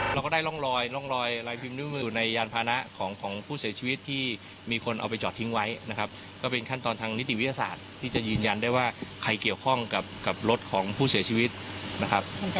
เราก็ได้ร่องรอยร่องรอยรอยพิมนิ้วมืออยู่ในยานพานะของผู้เสียชีวิตที่มีคนเอาไปจอดทิ้งไว้นะครับก็เป็นขั้นตอนทางนิติวิทยาศาสตร์ที่จะยืนยันได้ว่าใครเกี่ยวข้องกับรถของผู้เสียชีวิตนะครับ